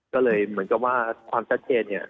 ก็เลยเหมือนกับว่าความชัดเจนเนี่ย